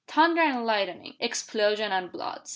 "Thunder and lightning! Explosion and blood!